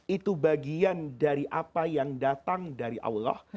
itu bagian dari apa yang datang dari allah